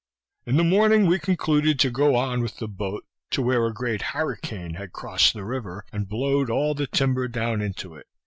In the morning we concluded to go on with the boat to where a great harricane had crossed the river, and blowed all the timber down into it.